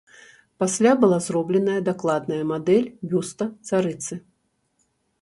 Пасля была зробленая дакладная мадэль бюста царыцы.